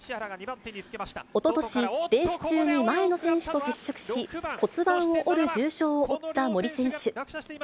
おととし、レース中に前の選手と接触し、骨盤を折る重傷を負った森選手。